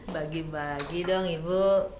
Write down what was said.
bagi bagi dong ibu